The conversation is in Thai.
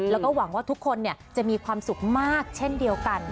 แล้วก็หวังว่าทุกคนจะมีความสุขมากเช่นเดียวกัน